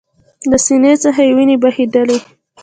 له سینې څخه یې ویني بهېدلې